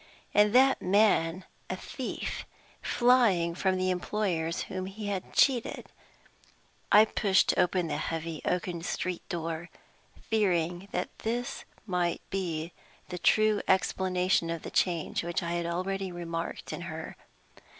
And that man a thief, flying from the employers whom he had cheated! I pushed open the heavy oaken street door, fearing that this might be the true explanation of the change which I had already remarked in her.